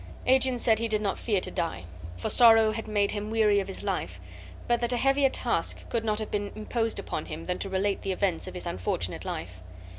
Aegeon said that he did not fear to die, for sorrow had made him weary of his life, but that a heavier task could not have been imposed upon him than to relate the events of his unfortunate life.